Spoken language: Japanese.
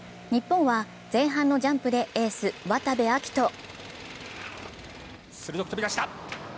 日本は前半のジャンプでエース・渡部暁斗。